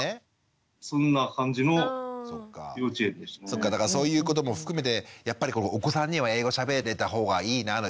そっかだからそういうことも含めてやっぱりお子さんには英語しゃべれた方がいいなって。